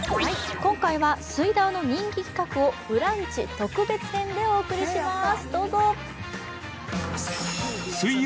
今回は「水ダウ」の人気企画を「ブランチ」特別編でお送りします。